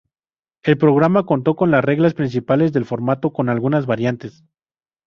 El programa contó con las reglas principales del formato, con algunas variantes.